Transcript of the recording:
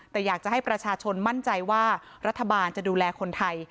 แต่อยากจะให้ประชาชนมั่นใจว่ารัฐบาลจะดูแลคนไทย